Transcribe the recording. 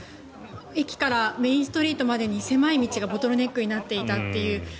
駅からメインストリートまでに狭い道がボトルネックになっていたという。